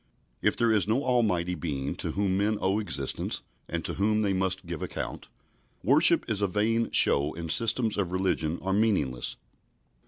If there is no Almighty Being to whom men owe existence, and to whom they must give account, worship is a vain show and systems of religion are meaningless.